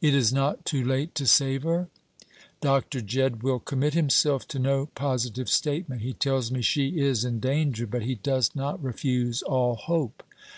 "It is not too late to save her?" "Dr. Jedd will commit himself to no positive statement. He tells me she is in danger, but he does not refuse all hope.